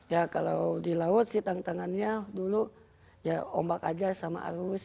ya kalau di laut sih tantangannya dulu ya ombak aja sama arus